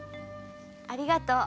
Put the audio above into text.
ありがとう。